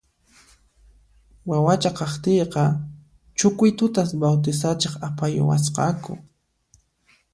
Wawacha kaqtiyqa Chucuitutas bawtisachiq apayuwasqaku